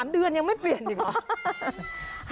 ๓เดือนยังไม่เปลี่ยนอีกเหรอ